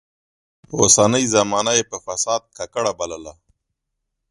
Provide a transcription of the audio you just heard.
اوسنۍ زمانه يې په فساد ککړه بلله.